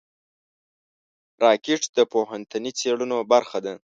راکټ د پوهنتوني څېړنو برخه ده